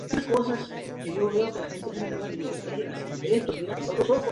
En Huejotzingo, se recuerda el capitán Juan Francisco Lucas, oriundo de Zacapoaxtla.